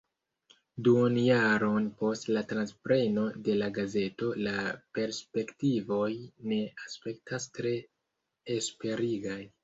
Duonjaron post la transpreno de la gazeto la perspektivoj ne aspektas tre esperigaj.